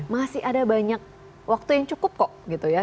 masih ada banyak waktu yang cukup kok gitu ya